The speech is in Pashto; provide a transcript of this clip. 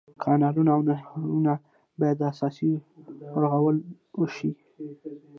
کانلونه او نهرونه باید اساسي ورغول شي.